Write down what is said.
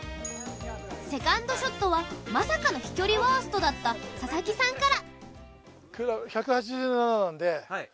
セカンドショットはまさかの飛距離ワーストだった佐々木さんから。